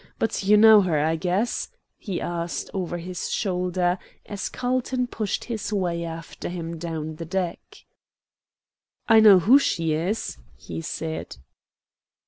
But you know her, I guess?" he asked, over his shoulder, as Carlton pushed his way after him down the deck. "I know who she is," he said.